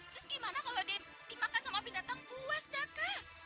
terus gimana kalau dia dimakan sama binatang buas daka